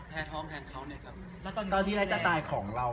ตอนนี้สไตล์ของเรา